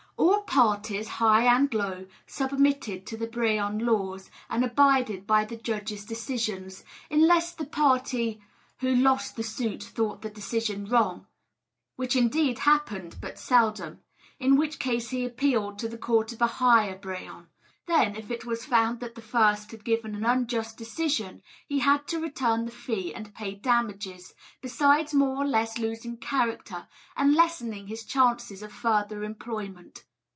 All parties, high and low, submitted to the Brehon Laws, and abided by the judge's decisions; unless the party who lost the suit thought the decision wrong which indeed happened but seldom in which case, he appealed to the court of a higher brehon. Then, if it was found that the first had given an unjust decision, he had to return the fee and pay damages, besides more or less losing character, and lessening his chances of further employment.